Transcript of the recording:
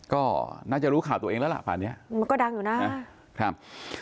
ก็น่าจะรู้ข่าวตัวเองแล้วล่ะป่านนี้มันก็ดังอยู่นะครับ